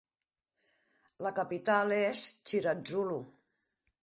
La capital és Chiradzulu.